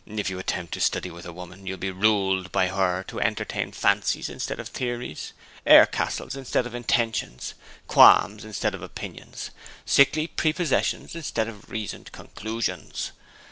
If you attempt to study with a woman, you'll be ruled by her to entertain fancies instead of theories, air castles instead of intentions, qualms instead of opinions, sickly prepossessions instead of reasoned conclusions.